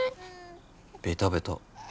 ベタベタ。